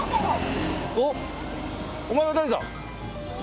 おっお前は誰だ？